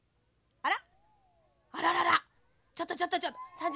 あら？